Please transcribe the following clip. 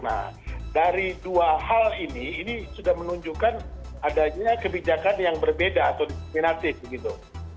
nah dari dua hal ini ini sudah menunjukkan adanya kebijakan yang berbeda atau diskriminatif gitu